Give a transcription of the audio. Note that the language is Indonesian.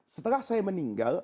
setelah saya meninggal